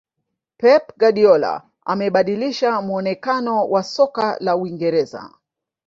pep guardiola amebadilisha muonekano wa soka la uingereza